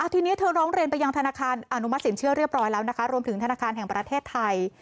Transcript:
ทีนี้เธอร้องเรียนไปยังธนาคารอนุมัติสินเชื่อเรียบร้อยแล้วนะคะรวมถึงธนาคารแห่งประเทศไทย